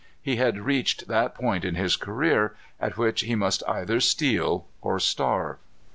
He had reached that point in his career at which he must either steal or starve.